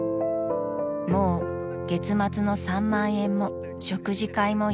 ［もう月末の３万円も食事会もいらない］